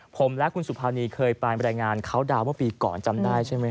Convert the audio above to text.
ผมและคุณสุภัณฑ์นีเคยปรายบรรยายงานเค้าดาวเมื่อปีก่อนจำได้ใช่ไหมครับ